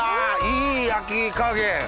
いい焼き加減。